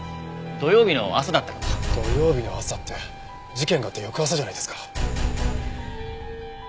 土曜日の朝って事件があった翌朝じゃないですか。